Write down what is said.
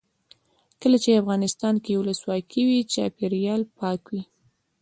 کله چې افغانستان کې ولسواکي وي چاپیریال پاک وي.